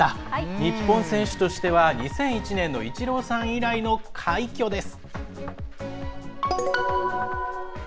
日本選手としては２００１年のイチローさん以来の快挙です。